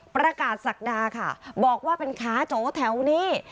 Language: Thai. ประกาศศักดาค่ะบอกว่าเป็นขาโจแถวนี้